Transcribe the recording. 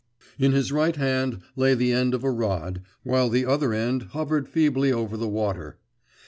In his right hand lay the end of a rod, while the other end hovered feebly over the water.